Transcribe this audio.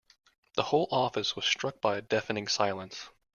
The whole office was struck by a deafening silence.